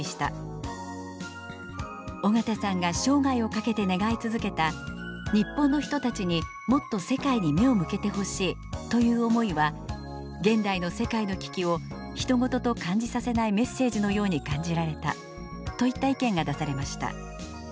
「緒方さんが生涯をかけて願い続けた日本の人たちにもっと世界に目を向けてほしいという思いは現代の世界の危機をひと事と感じさせないメッセージのように感じられた」といった意見が出されました。